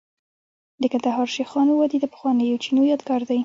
د کندهار شیخانو وادي د پخوانیو چینو یادګار دی